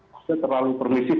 kita terlalu permisif